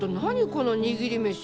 この握り飯。